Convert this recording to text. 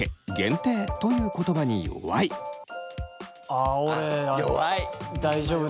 あ俺大丈夫だわ。